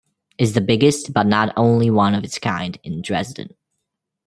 It's the biggest but not only one of its kind in Dresden.